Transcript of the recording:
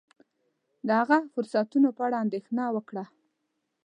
د هغه فرصتونو په اړه اندېښنه وکړه.